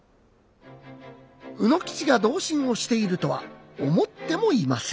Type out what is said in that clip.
卯之吉が同心をしているとは思ってもいません。